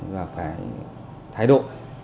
và cái thái độ